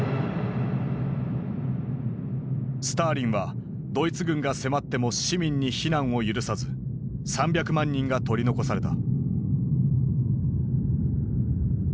スターリンはドイツ軍が迫っても市民に避難を許さず３００万人が取り残された。